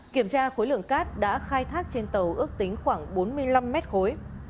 kiểm tra khối lượng cát đã khai thác trên tàu ước tính khoảng bốn mươi năm mét khối